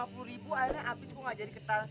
akhirnya abis gue nggak jadi ketal